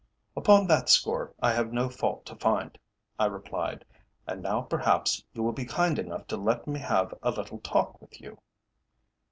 "Upon that score I have no fault to find," I replied. "And now perhaps you will be kind enough to let me have a little talk with you?"